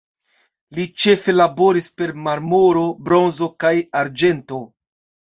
Li ĉefe laboris per marmoro, bronzo kaj arĝento.